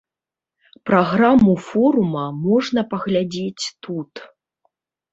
Праграму форума можна паглядзець тут.